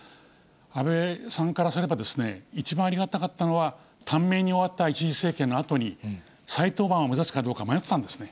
安倍さんからすれば、一番ありがたかったのは、短命に終わった１次政権のあとに、再登板を目指すかどうか迷ってたんですね。